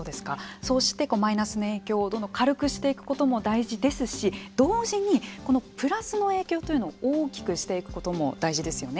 そうしてマイナスの影響をどんどん軽くしていくことも大事ですし同時にプラスの影響というのを大きくしていくことも大事ですよね。